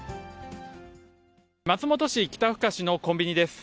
松本市北深志のコンビニです。